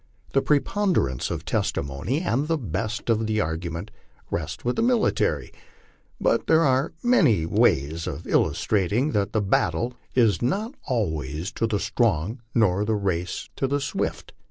The preponderance of testimony and the best of the argument rest with the military. But there are many ways of illustrating that the battle is not always 114 LIFE OX THE PLAINS. to the strong nor the race to the swift.